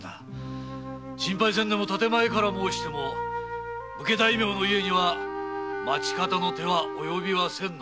心配せんでも建て前から申しても武家大名の家には町方の手は及びはせんのだ。